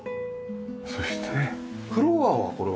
そしてフロアはこれは？